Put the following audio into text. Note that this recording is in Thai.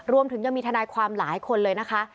รวมถึงยังมีทนายความหลายคนเลยนะคะ